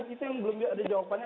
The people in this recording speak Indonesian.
itu yang belum ada jawabannya